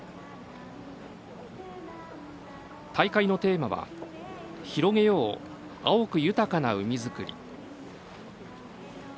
大会のテーマは「広げよう碧く豊かな海づくり」。